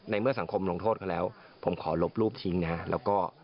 ในเมื่อสังคมลงโทษเขาแล้วผมขอลบรูปทิ้งนะ